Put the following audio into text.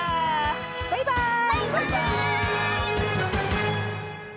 バイバーイ！